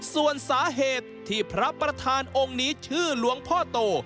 ส่วนสาเหตุที่พระประธานองค์นี้ชื่อหลวงพ่อโต